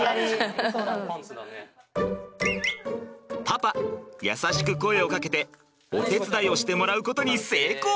パパ優しく声をかけてお手伝いをしてもらうことに成功！